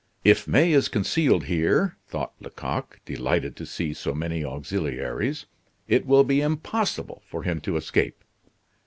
"If May is concealed here," thought Lecoq, delighted to see so many auxiliaries, "it will be impossible for him to escape."